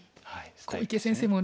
小池先生もね